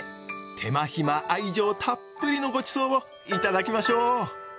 手間暇愛情たっぷりのごちそうを頂きましょう！